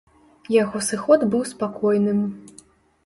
Яго сыход быў спакойным.